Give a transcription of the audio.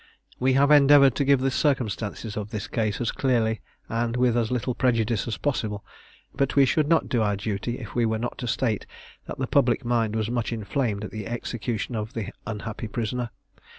We have endeavoured to give the circumstances of this case as clearly and with as little prejudice as possible, but we should not do our duty, if we were not to state that the public mind was much inflamed at the execution of the unhappy prisoner.